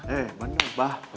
eh bener abah